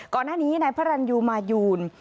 ก่อนหน้านี้นายพระรันยูมายูน